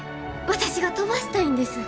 私が飛ばしたいんです。